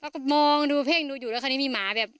แล้วก็มองดูเพ่งดูอยู่แล้วคราวนี้มีหมาแบบ